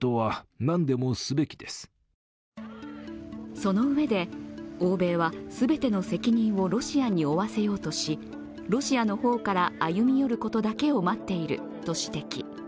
そのうえで、欧米は全ての責任をロシアに負わせようとしロシアの方から歩み寄ることだけを待っていると指摘。